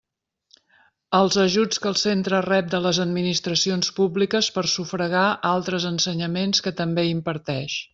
Els ajuts que el centre rep de les administracions públiques per sufragar altres ensenyaments que també imparteix.